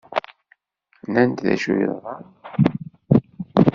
Nnan-d acu yeḍran?